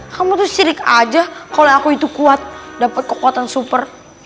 kamu tuh syirik aja kalau aku itu kuat dapat kekuatan super